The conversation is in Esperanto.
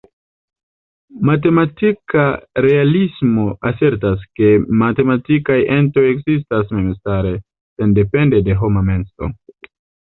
Matematika realismo asertas, ke matematikaj entoj ekzistas memstare, sendepende de homa menso.